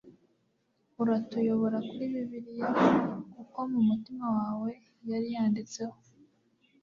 uratuyobora kuri bibiliya, kuko mumutima wawe yari yanditseho